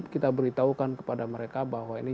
kita beritahukan kepada mereka bahwa ini